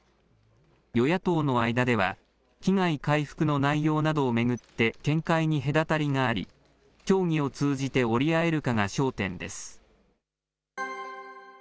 与野党の間では、被害回復の内容などを巡って見解に隔たりがあり、協議を通じて折り合えるかが焦点です。